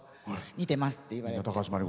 似てますって言われて。